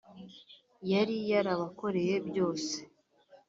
yari yarabakoreye byose